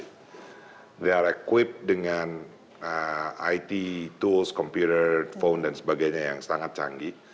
mereka terpikir dengan it tools komputer phone dan sebagainya yang sangat canggih